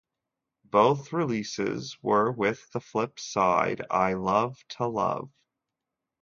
Both releases were with the flip side "I Love To Love".